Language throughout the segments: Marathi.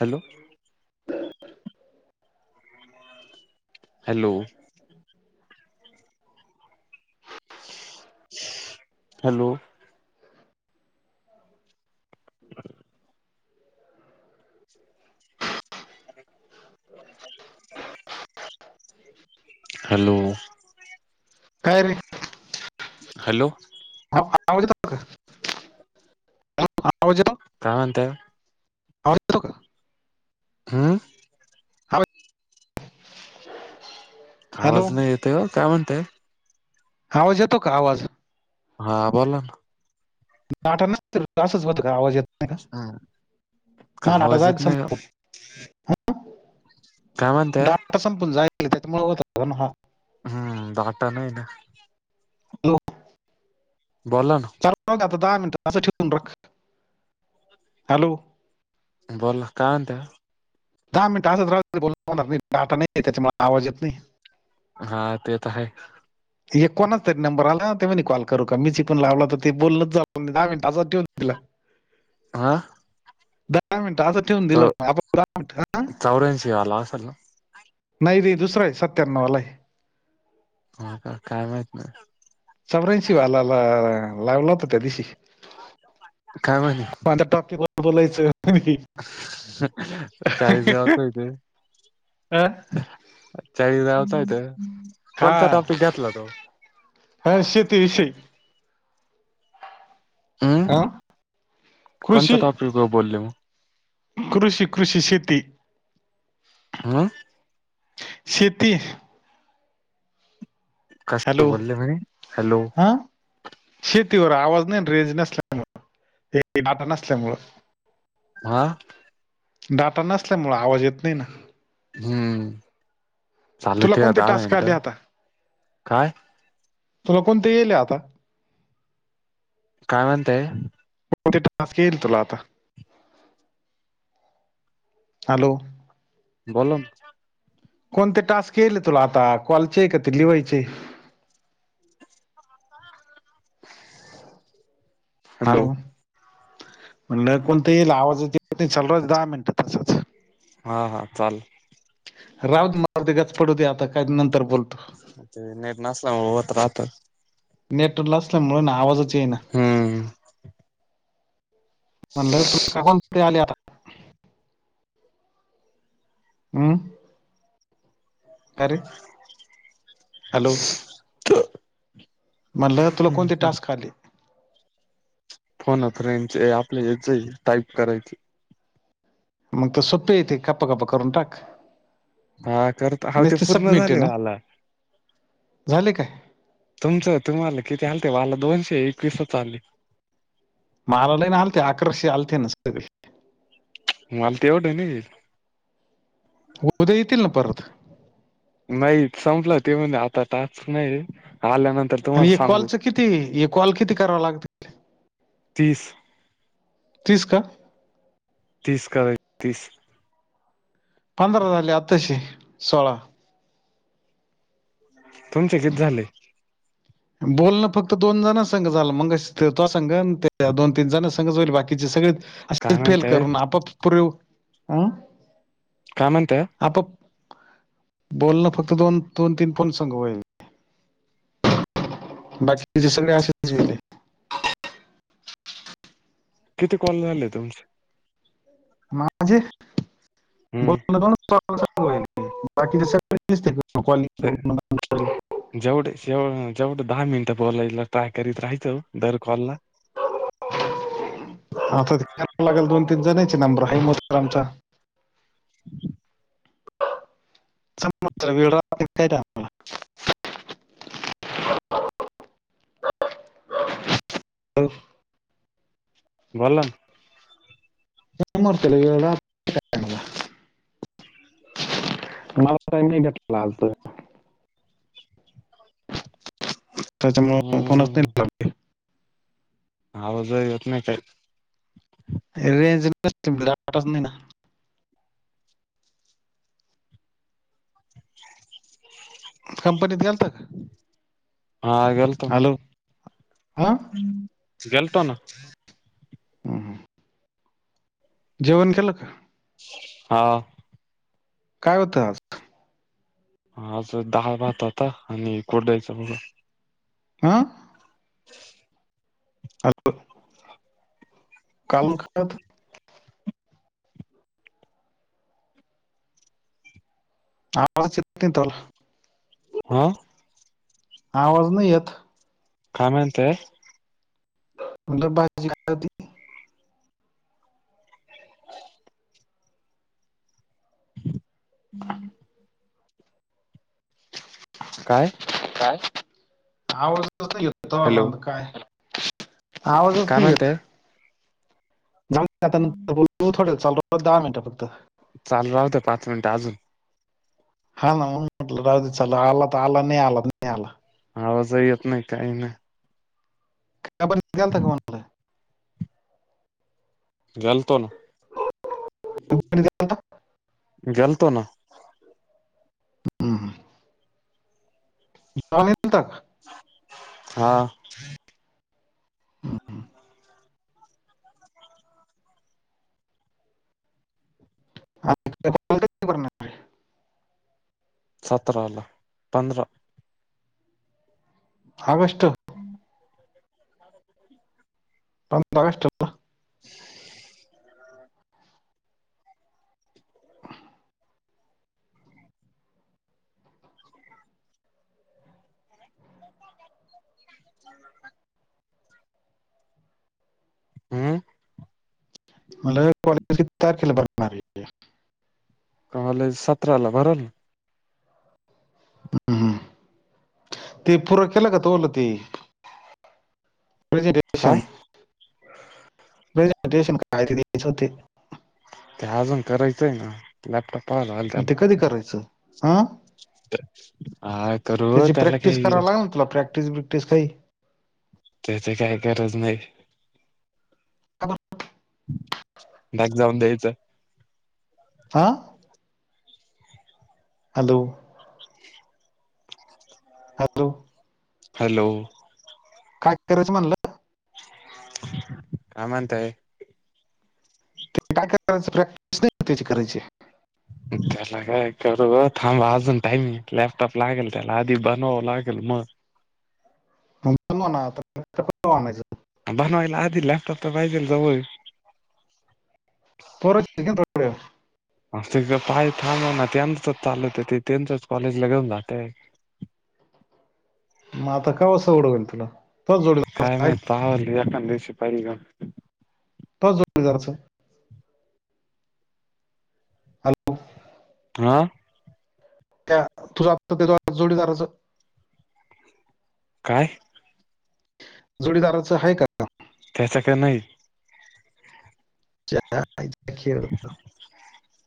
हॅलो, [inaudible] हॅलो, हॅलो [inaudible] ह हॅलो काय रे हॅलो [unintelligible] क हा आवाज येतो काय म्हणताय आवाज येतो का हम्म हा [inaudible] आवाज नाही येतं ओ काय म्हणताय आवाज येतो का आवाज हा बोला ना नाटा नाही तर असंच होतं का आवाज येत नाही का ना का म नाटा आवाज येत जायच नाही संत [inaudible] [unintelligible] काय म्हणताय डाटा संपून जायचं होत ना हा [inaudible] हम्म डाटा नाहीये ना हॅलो बोला ना आता दहा मिनटं असं ठेवून राख हॅलो बोला काय म्हणताय दहा मिनिटं असंच राहूदे [inaudible] टाटा नाही त्यांच्यामुळे आवाज येत नाही हा ते तर आहे एक कोणाच तरी नंबर आला ना ते म कॉल करू का मीची पण लावला तर ते बोललच जा दहा मिनिटं असेच ठेवून दिला. ह हा दहा मिनिटं असंच ठेवून दिलं तो आपण दहा मिनिटं हा? चौऱ्याऐंशी आला असेल ना नाही दे दुसरं [inaudible] वाला आहे, हो का काय माहित मग चौर्ऐशी वालाला लावला होता त्या दिवशी काय म्हनू टॉकीे बद्दल बोलायचं [inaudible] चाळीस [inaudible] हा? चाळीस [inaudible] कोणता हा टॉपिक घातला तो हा शेतीविषयी हम्म हा कोणत्या कृषी टॉपिकवर बोलले मग कृषी कृषी शेती हा शेती कशावर हॅलो बोलले म्हणे हॅलो हा शेतीवर आवाज नाही रेंज नसल्यामुळे हे नात नसल्यामुळे हा डाटा नसल्यामुळ आवाज येत नाही ना हम्म. तुला चालते कोणते दहा टास्क मिंनट आले आता काय? तुला कोणते येईल आता. काय म्हणताय? [unintelligible] टास्क येईल तुला आता हॅलो बनून कोणते टास्क येले तुला आता? कॉलचे आहे का? ते लिवायचे. हॅलो म्हणलं कोणते येईल? आवाज [unintelligible] दहा मिंनटं तस हा हा चालेल. राऊदे म तीच पडू दे आता, काही नंतर बोलतो. नेट नसल्यामुळ होत राहत. नेट नसल्यामुळन आवाजच येना. हम्म. म्हणलं तू का बोल? ये आले आता. हम्म. का रे? हॅलो हम्म म्हणलं तुला कोणते? टास्क आलेत. फोन अ फ्रेंडचे आपल्य हेच टाईप करायची. मग तर सोप येते गप्प गपपा करून टाक. हा करत हा ते नुसते पूर्ण सबमिट आहे झाले ओ ना आला. झाले काय तुमचं तुम्हाला किती? आलते दोनशे एकवीसच आले. मलाही ना आलते अकराशे आलते ना सगळे ते म आल [unintelligible] ते एवढे आहे ना. उद्या येतील ना परत. नाहीयेतं संपलं ते, म्हने आता टास्क नाही आल्यानंतर आणि तुम्हाला हे सांगू कॉलचं किती? हे कॉल किती करावा लागत? तीस. तीस का? तीस काय तीस? पंधरा झाली, आत्ताशी सोळा. तुमचे किती झाले? बोलण फक्त दोन जण संग झालं मग, मगाशी ते तुआ संग त्या दोन तीन जण संग होईल. बाकीचे सगळे अस काय फेल म्हणताय करून आपप पर् [unintelligible] अ. कामात आहे. आता आप बोलण फक्त दोन-दोन तीन फोन सांग व्हायलय. बाकीचे सगळे असेच गेले. किती कॉल झाले तुमचे? माझे हम्म बोलन दोनच बाकी [unintelligible] बाकीचे सगळे. तेहतीस टक्के [unintelligible] जेवढेेव जेवढं दहा मिनिटं बोलायला ट्राय करीत राहायचं दर कॉलला हा आता ते करावं लागेल दोन तीन जणची नंबर हा [unintelligible] चा ह [inaudible] [unintelligible] च वेळ राहते कायला [unintelligible] बोला ना? [unintelligible] मला का? [unintelligible] नाही घेतलेला आलत त्याच्यामुळे फोन हम्म [unintelligible] आवाज येतं नाय काही. रेंज [unintelligible] नाही ना [unintelligible] कंपनीत गेलता का? हा गेलतो हॅलो! आं? गेलतो ना. हम्म. जेवण केलं का? हा. काय होतं आज? आज धाळ भात होता आणि कुरडइचा भुगा. अं? [unintelligible] [unintelligible] आवाज येत नाही [unintelligible] आं? आवाज नाही येत. काय म्हणताय? म्हणल भाजी काय होती? [inaudible] काय? काय आवाज नव्हता हॅलो येत [unintelligible] काय आवाजच काय नाही येत म्हणताय [unintelligible] दहा मिनिटं फक्त. चालू राहु दया पाच मिनट अजून. हा ना म्हणून म्हटलं राहु दे चालू, आला तर आला नाही आला तर नाही आला. आवाज ही येत नाही काय ही नाही. कंपनीत गेलंता [unintelligible] गेलतो ना. [unintelligible] गेलतो ना. हम्म हम्म. [unintelligible] हा. [unintelligible] सतराला पंधरा. ऑगस्ट? [inaudible] [inaudible] पंधरा आगस्ट. [unintelligible] [inaudible] [inaudible] [inaudible] हम्म. मणलं कॉलेज किती तारखेला भरणारय? कॉलेज सतराला भरल. हम्म हम्म, ते पूरं केलं का ते. काय प्रेजेंटेशन प्रेझंटेशन काल ते देयचे होते? ते अजून करायचंय ना,, लॅपटॉप पाहावं लागल मग ते त्याला. कधी करायचं? अं, हा करू त्याची त्याला प्रॅक्टिस काही कराव लागल ना तुला प्रॅक्टिस क्टिस काई? त्याचे काय गरज नाही. का बरं? बॅक जाऊन द्यायचं- हा. हॅलो! हॅलो. हॅलो. काय कारायचं म्हणलं.? काय म्हणताय.? ते काय करायच प्रॅक्टिस नाही का त्याची करायची? त्याला काय करू, थांब अजून टाईम य, लॅपटॉप लागेल त्याला आधी बनवावं लागेल मग- मग बनवा ना आ- -आणायचं. बनवायला आधी लॅपटॉप तर पायजेल जवळ- [unintelligible] ह पाय थांम हो ना त्यांचच चालत ते, त्यांचच कॉलेज ला घेऊन जातय. मग आता कवा सवड होईल तुला? तोच काय जोडीदाराचं आहे माहित, पहाव एकांदिवशी [unintelligible] हॅलो. हां. तुझ्या आता त्या जोडीदाराचं- काय? जोडीदाराचं हाय का नाव? त्याच का नाही. खेळ- [unintelligible] [inaudible]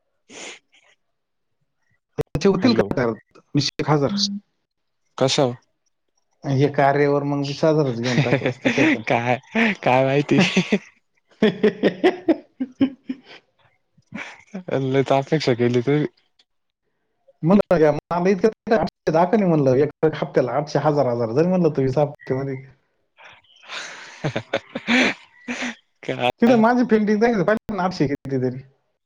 [inaudible] त्याचे होतील हॅलो का, तिशेक हजार- कसं.? अं हे कार्यवर काय,, काय माहिती.? ह-हहहह लयच अपेक्षा केली तुम्ही - म्हण इकठशे दाका म्हणलं हप्त्याला आठशे हजार हजार ज म्हणलं त हपते म- ह - ति माझी पेंटिंगहिठेत तरी.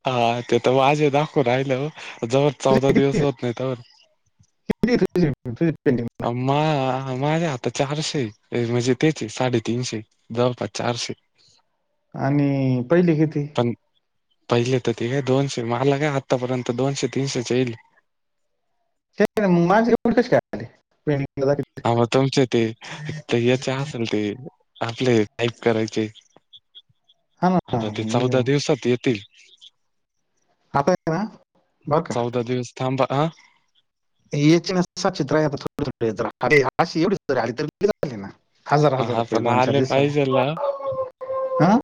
हा ते तर माझे दाखवून राहिलं ज- तुझ किती कतीझ तुझ मा माझ्या आता चारशे म्हणजे त्याचे साडेतीनशे जवळपास चारशे आणि पहिले किती? पण पहिले तर ते घय दोनशे मला काय आत्तापर्यंत दोनशे तीनशे येईल. ते नहीं माझे एवढे कस काय आले पिंडींग मह तुमचे ते त्या च असेल ते आपले टाईप करायचे. हा ना आता ते चौदा मग दिवसात येतील. आता आहे ना बरं का चौदा दिवस थांबा हा. [unintelligible] ना हजार हजार हा रुपये पण दोन चार आले दिवस पाहिजेल. हा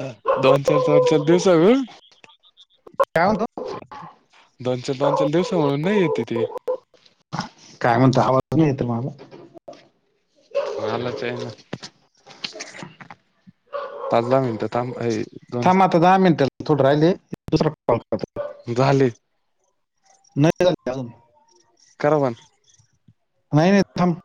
हं. दोन चार, चार चार दिवसा काय म्हणतो दोनशल दोनशल दिवसा म्हणून नाही येते ती. काय म्हणता? आवाज नाही तर येत मला. मलाच आहे ना, पाच धा मिनिटं थांब, ए. दोन थांब आता दहा मिनिटं, थोडं राहिलय. दुसरा कॉल करतो. झाले. नाही झाले अजून. करा बंद. नाही नाही थांब.